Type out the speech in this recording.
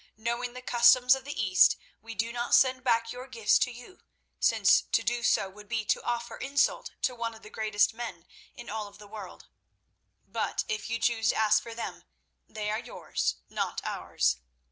Knowing the customs of the East, we do not send back your gifts to you, since to do so would be to offer insult to one of the greatest men in all the world; but if you choose to ask for them, they are yours—not ours.